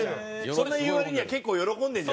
そう言う割には結構喜んでるじゃない。